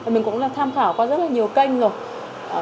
mình cũng tham khảo qua rất là nhiều kênh rồi